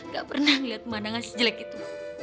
gak pernah ngeliat pemandangan si jelek itu